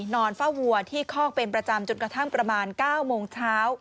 นอนเฝ้าวัวที่คอกเป็นประจำจนกระทั่งประมาณ๙โมงเช้า